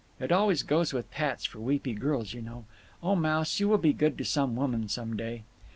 It always goes with pats for weepy girls, you know…. O Mouse, you will be good to some woman some day."